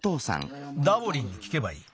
ダボリンにきけばいい。